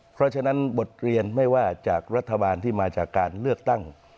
เพราะฉะนั้นบทเรียนไม่ว่าจากรัฐบาลที่มาจากการเลือกตั้ง